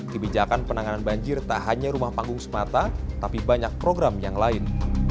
kebijakan penanganan banjir tak hanya rumah panggung semata tapi banyak program yang lain